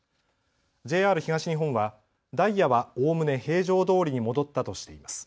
ＪＲ東日本はダイヤはおおむね平常どおりに戻ったとしています。